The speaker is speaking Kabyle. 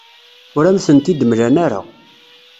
Ur am-tent-id-mlan ara.